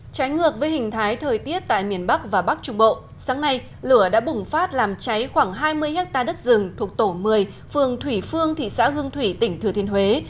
trái ngược với hình thái thời tiết tại miền bắc và bắc trung bộ sáng nay lửa đã bùng phát làm cháy khoảng hai mươi ha đất rừng thuộc tổ một mươi phường thủy phương thị xã hương thủy tỉnh thừa thiên huế